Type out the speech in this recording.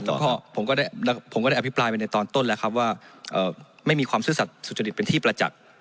แต่ผมก็ได้อภิปรายไปในตอนต้นแล้วครับว่าไม่มีความซื่อสัตว์สุจริตเป็นที่ประจักษ์